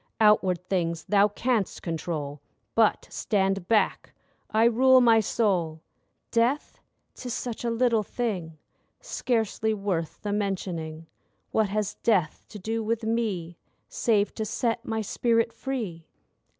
Outward things thou canst control; But stand back—I rule my soul! Death? 'Tis such a little thing— Scarcely worth the mentioning. What has death to do with me, Save to set my spirit free?